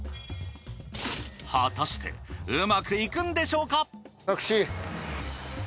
果たしてうまくいくんでしょうか！？